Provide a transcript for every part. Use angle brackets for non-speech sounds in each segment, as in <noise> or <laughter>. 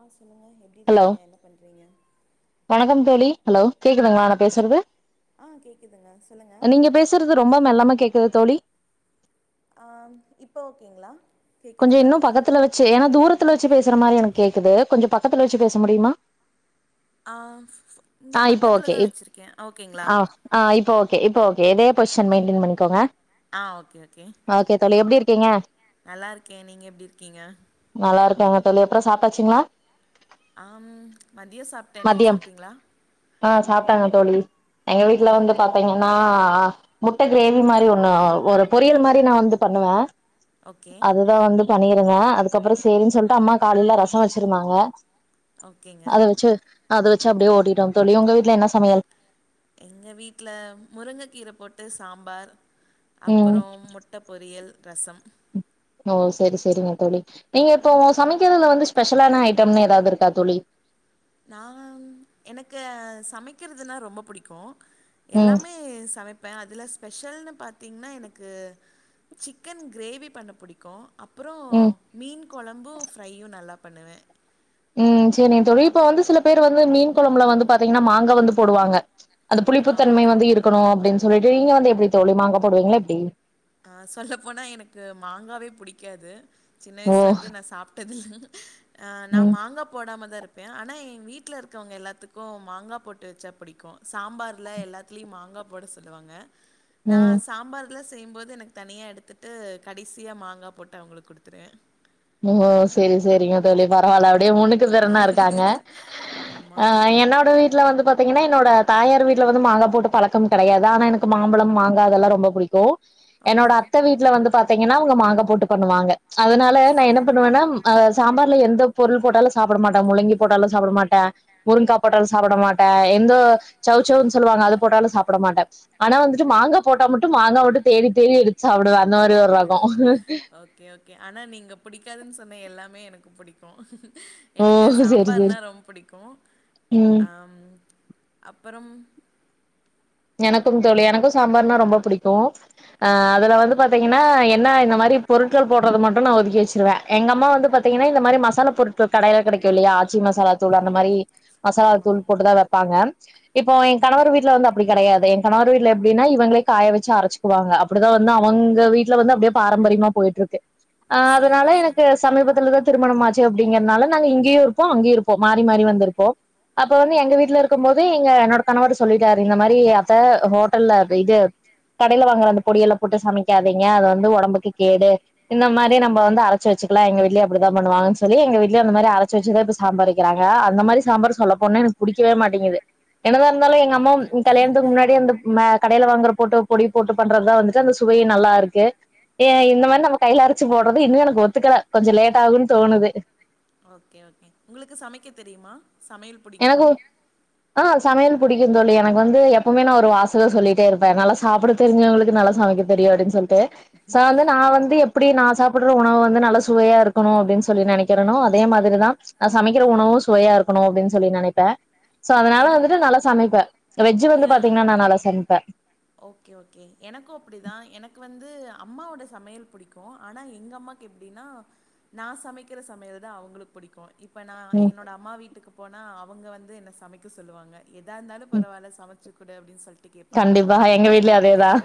ஆ சொ ல்லுங்க எப்டி ஹலோ இருக்கீங்க என்ன பண்றீங்க வணக்கம் தோழி ஹலோ கேக்குதுங்ளா நா பேசறது ஆ கேக்குதுங்க சொல்லுங்க நீங்க பேஸுறது ரொம்ப மெல்லமா கேக் <unintelligible> தோழி ஆ இப்ப ஓகேங்ளா கொஞ்சோ இன்னு பக்கத்துல வச்சு எனா தூரத் துல வச்சு பேசற மாரி எனக்கு கேக்குது கொஞ்ச பக்கத்துல வச்சு பேச முடியுமா ஆ இங்க ஆ இப்போ ஓகே பக்கத்துலதா வெச்சிருக்கே ஓகேங்ளா ஏதே பொசிஷன் மெியின்டைன் பண்ணிக்கோங்க ஆ ஓகே ஓகே, ஓகே தோழி எப்டி இருக்கீங்க நல்லா இருக் கே, நீங்க எப்டி இருக்கீங்க? நல்லா இருக்கோங்க தோழி அப்றோ சாப்டாச்சுங்ளா ஆம் மதியம் சாப்ட்டே நீங்க மதியம் சாப்பிட்டீங்ளா ஆ சாப்ட்டாங்க தோழி எங்க வீட்ல வந்து பாத்தீங்கன் னா, முட்ட கிரேவி மாரி ஒண்ணு ஒரு பொரியல் மாரி நா வந்து பண்ணுவே ஓகே அதுதான் வந்து பண்ணியிருந்தே அதுக்கப்றம் சேரின்னு சொல்லிட்டு அம்மா காலேல ரசம் வச்சிருந்தாங்க ஓகேங்க அத வச்சு அது வச்சு அப்டியே ஓட்டிடோம் தோழி உங்க வீட்ல என்ன சமையல் எங்க வீட்ல முருங்க கீர போட்டு சாம்பார் ம் அப்பறோ முட்ட பொரியல் ரசம் ஓ சரி சரிங்க தோழி நீங்க இப்போ சமைக்கிறதுல வந்து ஸ்பெஷலான ஐட்டம்னு ஏதாவது இருக்கா தோழி நா எனக்கு சமைக்கிறதுன்னா ரொம்ப புடிக்கும் ம் எல்லாமே சமைப்பேன் அதுல ஸ்பெஷல்னு பாத்தீங்கன்னா எனக்கு சிக்கன் கிரேவி பண்ண புடிக்கும் அப்றோ ம் மீன் குழம்பும் ஃப்ரையும் நல்லா பண்ணுவே உம் சேரிங்க தோழி இப்ப வந்து சில பேர் வந்து மீன் குழம்புல வந்து பாத்தீங்கன்னா மாங்கா வந்து போடுவாங்க ச் அந்த ஆ ஓகே புளிப்புத்தன்மை வந்து இருக்கணும் அப்டின் சொல்லிட்டு நீங்க வந்து எப்டி தோழி மாங்கா போடுவீங்ளா எப்டி அஹ் சொல்ல போனா எனக்கு மாங்காவே புடிக்காது சின்ன ஓ வயசுல இருந்து நா சாப்ட்டது இல் அ நா ம் மாங்க போடாம தான் இருப் பேன் ஆனா எ வீட்ல இருக்கவங்க எல்லாத்துக்கும் மாங்கா போட்டு வச்சா புடிக்கும் சாம்பார்ல எல்லாத்துலேயும் மாங்கா போட சொல்லுவாங்க நா ம் சாம்பார் ல செய்யும்போது எனக்கு தனியா எடுத்துட்டு கடைசியா மாங்கா போட்டு அவுங்களுக்கு குடுத்துருவே ஓ சரி சரிங்க தோழி பரவால்ல அப்டியே முன்னுக்கு திறனா இருக்காங்க ஆமா. ஆஹ் என்னோட வீட்ல வந்து பாத்தீங்கன்னா என்னோட தாயார் வீட்ல வந்து மாங்கா போட்டு பழக்கம் கெடையாது ஆனா எனக்கு மாம்பழம் மாங்கா அதல்லாம் ரொம்ப புடிக்கு என்னோட ஓகே. அத்த வீட்ல வந்து பாத் திங்கன்னா அவுங்க மாங்க போட்டு பண்ணுவாங்க ச் அதுனால நான் என்ன சரிங்க. பண்ணுவேன்னா ஆஹ் சாம்பார்ல எந்த பொருள் போட்டாலும் சாப்ட மாட்டேன் முள்ளங்கி போட்டாலும் சாப்ட மாட்டே முருங்கா போட்டாலும் சாப்ட மாட்டே எந்த சவ் சவ்வுன்னு சொல்லுவாங்க அது போட்டாலும் சாப்ட மாட்டே ஆனா வந்துட்டு மாங்கா போட்டா மட்டும் மாங்கா மட்டும் தேடி தேடி எடுத்து சாப்டுவே அந்த மாரி ஒரு ரகோ ஓகே ஓகே ஆனா நீங்க புடி க்காதுன்னு சொன்ன எல்லாமே எனக்கு புடிக்கும். ஓ எனக்கு செரி செரி சாம்பார்னா ரொம்ப புடிக்கும் ம் அம் அப்பறம் எனக்கும் தோழி எனக்கும் சாம்பார்ன்னா ரொம்ப புடிக்கு ஆஹ் அதுல வந்து பாத்தீங்கன்னா என்ன இந்த மாரி பொருட்கள் போட்றது மட்டும் நான் ஒதுக்கி வச்சிருவேன் எங்க அம்மா வந்து பாத்தீங்கன்னா இந்த மாரி மசாலா பொருட்கள் கடைல கெடைக்கும் இல்லையா ஆச்சி மசாலா தூள் அந்த மாரி. மசாலா ஆமாம் தூள் போட்டுதா வெப்பாங்க இப்போ ஏ கணவர் வீட்ல இர்ந்தப் ப்டி கடையாது எ கணவர் வீட்ல எப்டின்னா இவங்ளே காய வெச்சு அரச்சுக்குவாங்க அப்புடிதா வந்து அவங்க வீட்ல வந்து அப்டே பாரம்பரியமா போயிட்ருக்கு அ சரி அதனால எனக்கு சரி சமீபத்துலதா திருமணம் ஆச் அப்டிங்கற்னால நாங்க இங்கியு இருப்போ அங்யு இருப்போ மாரி மாரி வந்துர்ப்போ அப்ப வந்து எங்க வீட்ல இருக்கம்போது எங்க என்னோட கணவர் சொல்லிட்டரு இந்த மாரி அத்த ஹோட்டல்ல இது கடைல வாங்குற அந்த பொடியல்ல போட்டு சமைக்காதீங்க அது வந்து ஒடம்புக்கு கேடு இந்த மாரி ஓ நம்ப வந்து அரச்சு வச்சுக்லா எங்க வீட்லயு அப்டிதா பண்ணுவாங்கன் சொல்லி எங்க வீட்ல அந்த மாரி அரைச்சு வச்சுதா இப்ப சாம் பார் வக்குறாங்க அந்த மாரி சாம்பார் சொல்லப்போனா எனக்கு புடிக்கவே மாட்டங்குது என்னதா ஓ இருந்தாலு எங்க அம்மா ஓகே ஓகே கல்யாணத்துக்கு முன்னாடி வந்து ம் கடைல வாங்குற போட்டோ பொடி போட்டு பண்றதுதா வந்துட்டு அந்த சுவையு நல்லாருக்கு எ இந்த மாரி நம்ம கைல அரைச்சு போட்றது இன்னு எனக்கு ஒத்துக்கல கொஞ்ச லேட் ஆகுன்னு தோணுது ஓகே ஓகே உங்ளுக்கு சமக்க தெரியுமா சமையல் புடிக்குமா எனக்கு ஆ சமையல் புடிக்கு தோழி எனக்கு வந்து எப்பவுமே நா ஒரு வாசக சொல்லிட்டே இருப்ப நல்லா சாப்புட தெரி்சவங்ளுக்கு நல்லா சமைக்க தெரியு அப்டின் சொல்ட்டு சாந்த நான் வந்து எப்டி நா சாப்புட்ற உணவு வந்து நல்ல சுவையார்க்கணு அப்டின் சொல்லி நெனக்குறனோ அதே மாதிரிதா நா சமைக்கிற உணவு சுவையா இருக்குணு அப்பின் சொல்லி நனைப்ப எனக் வந்து பாத்தீங்கன்னா நா நல்லா சமைப்பே ஓகே ஓகே எனக்கு அப்டிதா எனக்கு வந்து அம்மாவோட சமையல் புடிக்கு ஆனா எங்க அம்மாக்கு எப்டினா நா சமக்கிற சமையல் தா அவுங்ளுக் புடிக்கு இப்ப நான் ம் என்னோட அம்மா வீட்டுக்கு. போனா அவங்க வந்து என்ன சமைக்க. சொல்லுவாங்க. எதா இருந்தாலும் ம் பரவால சமைச்சு வச்சு கூட அப்படின்னு சொல்லட்டு. கண்டிப்பா எங்க வீட்லயே அதேதான்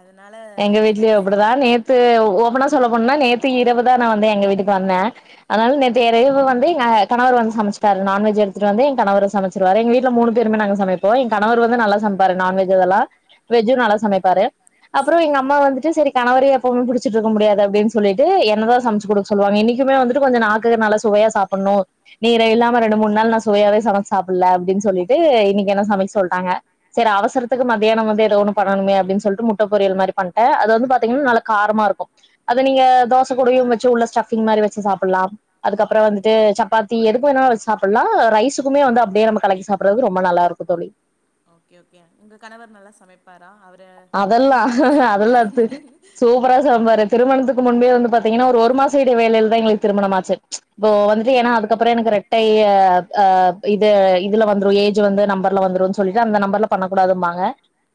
அதனால எங்க எனக்கு வீட்லயும் ச- அப்படிதான் நேத்து ஓபனா சொல்ல ஒன்னா நேற்று இரவுதான் நான் வந்து எங்க வீட்டுக்கு வந்தேன் அதனால நேற்று இரவு வந்து எ கணவர் வந்து சமைச்சுப்பாரு நான்வெஜ் எடுத்துட்டு வந்து என் கணவர் சமைச்சிருருவாரு எங்க வீட்டுல மூணு பேருமே நாங்க சமைப்போம் என் கணவர் வந்து நல்லா சமைப்பாரு நான்வெஜ் அதெல்லாம் வெஜ் நல்லா சமைப்பார் அப்புறம் எங்க சரி அம்மா வந்துட்டு சரி கணவரியே எப்பவுமே பிடிச்சி இருக்கும் முடியாது அப்படின்னு சொல்லிட்டு என்னதான் சமைச்சுடுக்க சொல்லுவாங்க இன்னைக்குமே வந்துட்டு கொஞ்ச நாக்குக்கு நல்லா சுவையா சாப்புடணும் நீ இல்லாம ரெண்டு மூணு நாள் நான் சுவையாவே சமைச்சு சாப்பிடல அப்படின்னு சொல்லிட்டு இன்னைக்கு என்னெ சமைக்க சொல்லிட்டாங்க சரி அவசரத்துக்கு மத்தியானம் வந்து அவசரத்துக்கு வந்து ஏதாவதுஒன்னு பண்ணனுமே அப்படின்னு முட்ட முட்டை பொரியல் மாதிரி பண்ணிட்டேன் அது வந்து பாத்தீங்கன்னா நல்ல காரமா இருக்கும் அத நீங்க தோசை கூடையும் உள்ளே வச்சு உள்ளே ஸ்டபிங் மாதிரி வச்சு சாப்பிடலாம் அதுக்கப்புறம் வந்துட்டு சப்பாத்தி எதுக்கு வேணா வச்சு சாப்பிடலாம் ரைஸுக்குமே வந்து அப்படியே நம்ம கலக்கி சாப்பிடுறது ரொம்ப நல்லா இருக்கும் தோழி ஓகே ஓகே உங்க கணவர் நல்லா சமைப்ப ப்பாரா அவரு அதெல்லா என்ன நல்லா அதெல்லா சமைப்பாரு து சூப்பரா சாம்பாரு திருமணத்துக்கு முன்பே வந்து பாத்தீங்கன்னா ஒரு மாசம் இடை வேளையில தான் எங்களுக்கு திருமணமாச்சு இப்போ ஓ வந்து ஏன்னா அதுக்கப்புறம் எனக்கு ரெ டைய அ இத இதுல வந்ரு ஏஜ் வந்து நம்பர்ல வந்துரு சொல்ட்டு அந்த நம்பர்ல பண்ணக்கூடாதும்பாங்க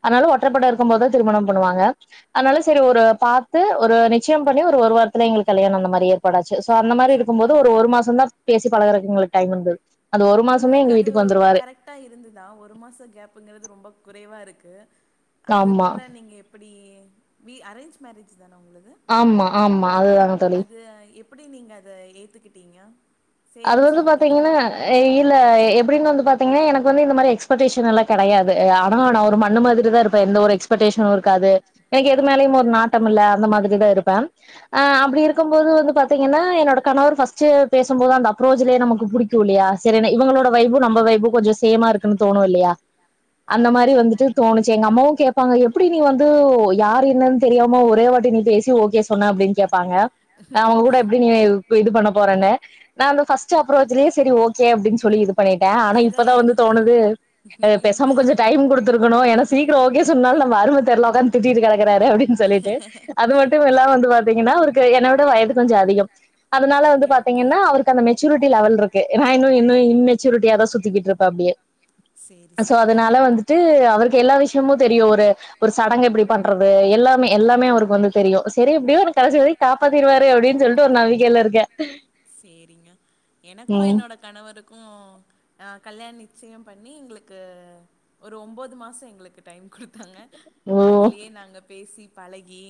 அத்னால ஓகே <unintelligible> இருக்கும்போதுதான் ஓகே திருமணம் பண்ணுவாங்க அதனால சரி ஒரு பார்த்து ஒரு நிச்சயம் பண்ணி ஒரு வாரத்துல எங்களுக்கு கல்யாணம் இந்த மாரி ஏற்பாடாச்சு சோ அந்த மாரி இருக்கும்ப போது ஒரு மாசம்தா பேசி பலகரக்கு எங்களுக்கு டைம் இருந்தது அந்த ஒரு மாசமே உங்களுக்கு எங்க அது வீட்டுக்கு வந்துருவாரு கரெக்ட் அ இருந்துதான் ஒரு மாசம் கேப்புங்கிறது ரொம்ப குறைவா இருக்கு ஆமா அதுக்குள்ள நீங்க எப்படி வி அரேஞ்ச் மேரேஜ் தான உங்களுது ஆமா ஆமா அதுதான அது எப்படி நீங்க அத ஏத்துகிட்டிங்க அது வந்து பாத்தீங்கன்னா இல்ல எப்படின்னு வந்து பாத்தீன்னா எனக்கு வந்து இந்த மாதிரி எக்ஸ்பெக்டேஷன்ல்லா கிடையாது ஆன ஒரு மண்ணு மாரி தான் இருப்ப எந்த ஒரு எக்ஸ்பேடேஷன் இருக் இருக்காது எனக்கு ஓ எது மேலயும் ஒரு நாட்டம் இல்ல அந்த மாதிரிட இரு <unintelligible> அ அப்படி இருக்கும்போது வந்து பாத்தீங்கன்னா என்னோட கணவர் பஸ்ட் பேசும்போது அந்த அப்ரோஜ்லயே நமக்கு பிடிக்கும் இல்லையா சரியா இவங்களோட வைபும் நம்ம வைபும் கொஞ்சம் சேமா இருக்குன்னு தோணு இல்லையா அந்த ஆமா மாதிரி ஆமா வந்துட்டு தோணுச்சு எங்க அம்மாவும் கேட்ப ப்பங்க எப்படி நீ வந்து யார் என்னன்னு தெரியாமோ ஒரே வாட்டி நீ பேசி ஓகே சொன்ன அப்படின்னு கேப்பாங்க அவங்க கூட எப்படி நீ இது பண்ண போறனே நான் ஃர்ஸ்ட் அப்ரோச்லயே சரி ஒகே அப்படின்னு சொல்லிது பண்ணிட்டேன் ஆனா அதா இப்பதான் வந்து எனக்கு தோணு பெசாம கொஞ்சம் டைம் கொடுத்துக்கணும் என சீக்கிரம் ஓகே சொன்னதுனால நம்ம அருமை தெரில அதான் திட்டுட்டு கிடக்காரு அப்படி சொல்லிட்டு அது மட்டும் எல்லாம் வந்து பாத்தீங்கன்னா அவருக்கு என் விட வயது கொஞ்சம் அதிகம் அதனால வந்து ஓகே ஓகே பாத்தீங்கன்னா அவருக்கு மெச்சூரிட்டி லெவல் இருக்கு நான் இன்னும் நான் இம்மெச்சுூரிட்டியாதான் சுத்திக்கிட்டு இருப்பன் அப்படியே சேரி சோ சேரிங்க அதனால வந்துட்டு அவருக்கு எல்லா விஷயமும் தெரியும் ஒரு ஒரு சடங்கு எப்படி பண்றது எல்லாமே எல்லாமே அவருக்கு வந்து தெரியும் சரி எப்படியோ அவக்கு கடைசி வரைக்கும் காப்பாத்திருவாரு அப்படின்னு சொல்லிட்டு ஒரு நம்பிக்கையில இருக்கேன். சரிங்க எனக்கும் என்னோட கணவருக்கும் க்கும் கல்யாண நிச்சயம் பண்ணி எங்களுக்கு ஒரு ஒம்பது மாதம் எங்களுக்கு டைம் கொடுத்தாங்க ஓ அதுலயே நாங்க பேசி பழகி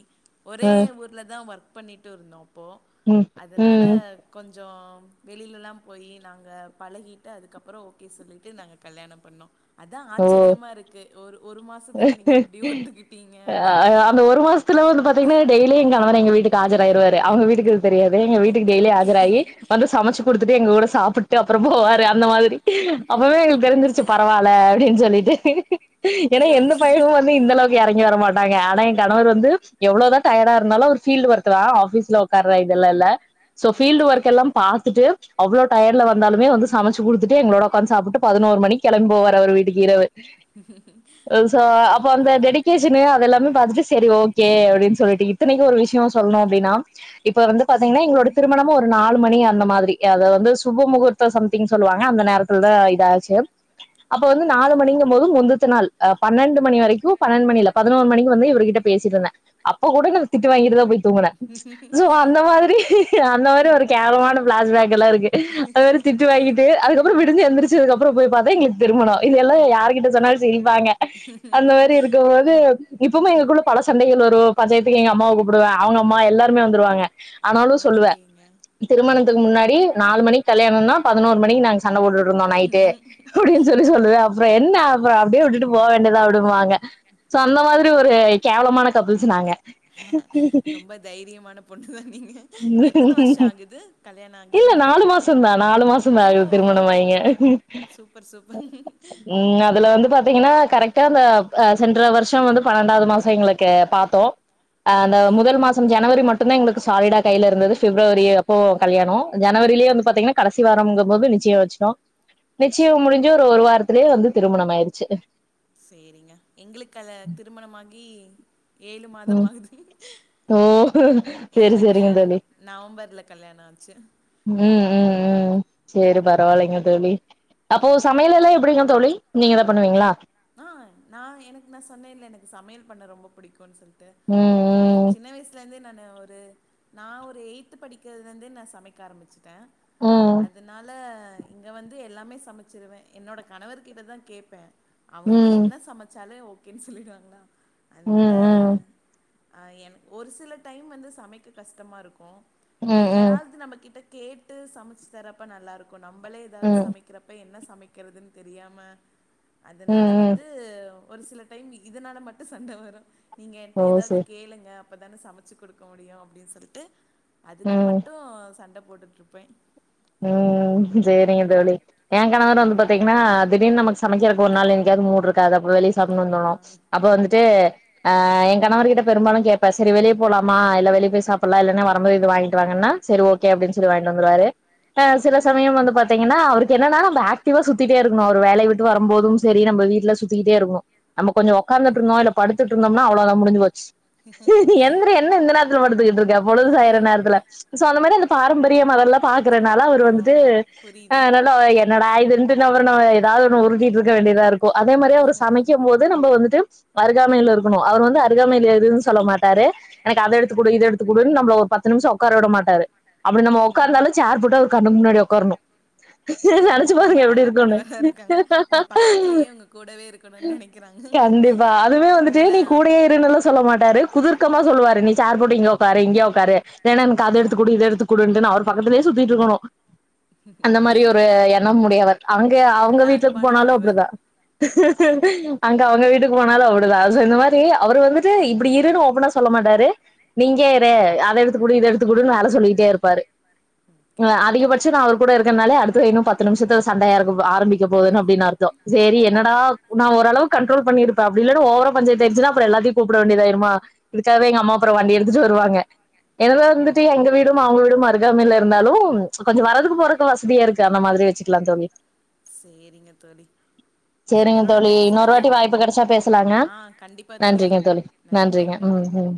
ஒரே அ ஊர்ல தான் ஒர்க் பண்ணிட்டு இருந்தோம். இப்போ ம் அதனால ம் கொஞ்ச வெளிலல்லா போய் நாங்க பழகிட்டு அதுக்கப்புறோ ஓகே சொல்லிட்டு நாங்க கல்யாண பண்ணோ அதா ஓ ஆச்சரியமா இருக்கு ஒரு ஒரு மாசத்துல நீங்க எப்டி ஒத்துக்கிட்டீங்க அப்டின்ட்டு அந்த ஒரு மாசத்துல வந்து பாத்தீங்கன்னா டெய்லி எங் கணவர் எங்க வீட்டுக்கு ஆஜராயிருவாரு அவங்க வீட்டுக்கு தெரியாது ஓ எங்க வீட்டுக்கு ஓகே டெய்லி ஓகே ஆஜராகி வந்து சமைச்சு குடுத்துட்டு எங்க கூட சாப்பிட்டு அப்புற பா போவாரு அந்த மாதிரி அப்பமே எங்களுக்கு தெரி்சிருச்சு பரவால்ல. ன் சொல்லிட்டு ஏனா ஓகே எந்த ஓகே பயனு வந்து இந்த அளவுக்கு இறங்கி வர மாட்டாங்க ஆனா எ கணவர் வந்து எவ்ளோ தா டயர்டா இருந்தாலு ஒரு பில்ட் ஒர்க் தா ஆபீஸ்ல உக்கார்ற இதுல்ல இல்ல சோ பீல்டு ஓகே ஒர்க் எல்லா பாத்துட்டு அவ்ளோ டயர்ல வந்தாலுமே வந்து சமைச்சு குடுத்துட்டு எங்களோட உக்காந்து சாப்பிட்டு பதினோருமணிக்கி கெளமிட்ட போவார் அவரு வீட்க்கு இரவு சோ ஓகே அப்ப அந்த ஓகேங்க டெடிகேஷனு அத எல்லாமே பாத்துட்டு செரி ஓகே அப்படின் சொல்லிட்டு இத்தனைக்கு ஒரு விஷ்யோ சொல்லணு அப்படின்னா இப்ப வந்து பாத்தீங்கன்னா எங்களோட திருமணமு ஒரு நாலு மணி அந்த மாதிரி அத வந்து சுப முகூர்த்தம் சம்திங் சொல்லுவாங்க அந்த நேரத்துலதா இதாச்சு அப்ப வந்து நாலு ஓகேங்க மணிங்க போது முந்தத்த நாள் பன்னெண்டு மணி வரைக்கு பன்னெண்டு மணி இல்ல பதினொரு மணிக்கு வந்து இவர்கிட்ட பேசியிருந்தே அப்ப கூட நா திட்டு வாங்கிட்டு தா போய் தூங்கின சோ அந்த மாரி அந்த மாரி ஒரு கேவலமான பிளாஸ் பேக் எல்லா இருக்கு அதுமாரி திட்டு வாங்கிட்டு அதுக்கப்புற விடிஞ்ச எந்துருச் சதுக்கப்புறோ போய் பாத்தா எங்களுக்கு திருமணோ இதுல்லா யார் கிட்ட சொன்னாலு சிரிப்பாங்க அந்த மாரி இருக்கு போது இப்பமே எங்களுக்குள்ள பல சண்டைகள் வரு பஞ்சாயத்துக்கு எங்க அம்மா கூப்பிடுவே அவங்க அம்மா எல்லாருமே வந்துவாங்க ஆனாலு சொல்லுவே ஓகேங்க திருமண த்துக்கு முன்னாடி நாலு மணிக் கல்யாணோனா பதினோரு மணிக்கு நாங்க சண்ட போடுட்டுருந்தோ நைட்டு ம். அப்டின் சொல்லி சொல் இப்ப என்ன அப்ப அப்டியே விட்டுட்டு போ வேண்டியதா அப்டிப்பாங்க சோ அந்த மாரி ஒரு கேவலமான கப்பிள்ஸ் நாங்க ரொம்ப தைரியமான பொண்ணுதா நீங்க எத்தன வருஷ ஆகுது கல்யாண ஆகி இல்ல உங்களுக்கு நாலு மாசந்தா நாலு மாசந்தா ஓ ஆகுது திருமணமாயிங்க சூப்பர் சூப்பர் உம் அதுல வந்து பாத்தீங்கனா கரெக்டா அந்த சென்ற வருஷோ வந்து பன்னெண்டாவது மாசோ எங்களுக்கு பாத்தோ அந்த ஓகே முதல் மாசம் ஜனவரி மட்டுதா எங்களுக்கு சாலிடா கைல இருந்தது பிப்ரவரி அப்போ கல்யாணோ ஜனவரியிலே வந்து பாத்திங்கன்னா கடைசி வாரங்கபோது நிச்சயோ வச்சோ நிச்சயம் முடிஞ்சு ஒரு ஒரு வாரத்து லயே வந்து திருமணம் ஆயிருச்சு சேரிங்க எங்களுக்கல திருமணமாகி ஏழு மாதம் ம் ஆகுது ஓ சரி எங்களுக்கு சரிங்க தோழி நவம்பர்ல கல்யாண ஆச்சு ம் ம் ம் சேரி பரவாலங்க தோழி அபோ ஆ சமையலெல்லாம் எப்டிங்க தோழி நீங்கதா பண்ணுவீங்களா ஆஹ் நா எனக்கு நா சொன்னே ல்ல எனக்கு சமயல் பண்ண ரொம்ப புடிக்குன் சொல் ட்டு அ ம் சின்ன வயசுலருந்து நானு ஒரு நா ஒரு எய்த் படிக்கிறதுலருந்தே நா சமைக்க ஆரம்பிச்சு ட்டே ம் அதுனால இங்க வந்து எல்லாமே சமைச்சிருவே என்னோட கணவர் கிட்டதா கேப்பே அவங்க நீ ம் என்ன சமைச்சாலு ஓ கேன்னு சொல்லிடுவாங்ளா ம் அதுனால ம் ஆ என ஒரு சில டைம் வந்து சமைக்க கஷ்டமாருக்கு ம் ம் எ ம் ஏதாவது நம்ம கிட்ட கேட்டு சமைச்சு தரப்ப நல்லாருக்கு நம்பளே ம் ஏதாவது ம் சமைக்கிறப்ப என்ன சமைக் சமக்கிறதுனு தெரியாம அதனால ம் ம் வந்து ஒரு சில டைம் இதுனால மட்டு சண்ட வரும் நீங்க என்ட்ட ஓ ஏதாவது சரி கேளுங்க அப்பதானே சமைச்சு குடுக்க முடியு அப்டினு சொல்ட்டு அதுக்கு ம் மட்டு சண்ட போட்டுட்ருப்ப உம் சேரிங்க தோழி எ கணவரு வந்து பாத்தீங்கனா திடீர்னு நமக் சமைக்கறக்கு ஒரு நாள் என்னைக்காவது மூடு இருக்காது அப்போ வெளிய சாப் சாப்புப்னூனு ஆ தோணு அப்ப வந்துட்டு ஆ எ கணவர்கிட்ட பெரும்பாலு கேப்ப சேரி வெளியே போலாமா இல்ல வெளிய போய் சாப்புட்லா இல்லன்னா வரும்போது இது வாங்கிட்டு வாங்கன்னா சேரி ஓகே அப்டின்னு சொல்லி வாங்கிட்டு வந்துவாரு அ சில சமயம் வந்து பாத்தீங்கன்னா அவருக்கு என்னன்னா நம்ம ஆக்டிவா சுத்திட்டே இருக்ணு அவர் வேலைய விட் டு வரும்போதும் சேரி நம்ம வீட்ல சுத் திகிட்டே இருக்கனு நம்ம கொஞ்சோ ஒக்காந்துட்டு இருந்தோ இல்ல படுத்துட்டு இருந்தோம்னா அவ்ளோதா முடுஞ்சி போச்சு எந்திரி என்ன இந்த நேரத்துல படுத்துகிட்டு இருக்க பொழுதுசாயிர நேரத்துல சோ அந்த மாரி அந்த பாரம்பரியம் அதல்லா பாக் அதனால ஓக் அவரு வந்துட்டு ஆம் அ புரியுது நல்லா என்டா இதுன்ட்டு அப்றோ நம்மள எதாது ஒன்னு உருட்டிட்டு இருக்க வேண்டிதா இருக் கு அதே மாரியே அவரு சமைக்கூம் போது நம்ம வந்துட்டு அருகாமைல இருக்கணும் அவரு வந்து அருகாமைல இருனு சொல்ல மாட்டாரு எனக்கு அத எடுத்துக்குடு இத எடுத்துக்குடுன் நம்ள ஒ பத்து ஒரு பத்து நிம்ஷோம் உக்கார வுட மாட்டாரு அப்டி நம்ம ஒக்காந்தாலும் சேர் போட்டு அவர் கண்ணு முன்னாடி உக்காறணும் நெனச்சு ரொம்ப ரொம்ப பாருங்க எப்டி நல்ல இருக்கூனு கணவரா இருக்காங்க அ உங்க அ பக்கத்துலயே உங்க கூடவே இருக்கணுன்னு நெனைக்கிறாங்க கண்டிப்பா அதுவே வந்துட்டு நல்லா நீ கூடயே இருனலா சொல்ல மாட்டாரு குது க்கம்மா சொல்லுவாரு நீ சேர் போட்டு இங்க ஒக்காரு இங்கயே ஒக்காரு இல்லனா எனக்கு அது எடுத்து குடு இத எடுத்து குடுன்ட்டு அவரு அதுலே சுத்தீட்டு இருக்கோணும் அந்த மாரி ஒரு எண்ணம் உடையவர் அங்க அவுங்க நல்லா வீட்டுக் அன்பான போனாலும் கணவர் அப்டிதா அங்க அவுங்க வீட்டுக்கு போனாலும் அப்டிதா சோ இந்த மாரி அவரு வந்துட்டு இப்டி இருனு ஓப்பனா சொல்ல மாட்டாரு நீ இங்கே இரு அத எடுத்துக்குடு இத எடுத்துக்குடுனு வேல சொல்லிட்டே இருப்பாரு ஓகே அ ஓகே தோழி அதிகபட்ச நா அவர் கூட இருக்கன்னாலே அடுத்தது இன்னும் பத்து நிம்ஷத்துல சண்டயா இருக் தும் ஆரம்பிக்க போதுனு அப்டினு அர்த்தோம் சேரி என்னடா நா ஓரளவுக்கு கண் ட்ரோல் பண்ணிருப்ப அப்டி இல்லனா ஓவரா பஞ்சாயத்து ஆய்டுச்சினா அப்புறோ எல்லாத்தயும் கூப்ட வேண்டிதாயிடுமா இதுக்காவே எங்க அம்மா அப்புறோ வண்டிய எடுத்துட்டு வருவாங்க என்னதா ஓ வந்துட்டு எங்க வீடும் அவுங்க வீடும் மாரி அருகாமைல இருந்தாலும் கொஞ்சோ வரதுக்கூம் போறதுக்கூம் வசதியா இருக்கு அந்த மாரி வச்சிக்லா தோழி சேரிங்க தோழி சேரிங்க உங்களோட தோழி இன்னோரு பேசுனது வாட்டி வாய்ப்பு கெடச்சா பேசலாங்க ஆ கண்டிப்பா நன்றிங்க தோழி நன்றி நன்றிங்க உம் உம்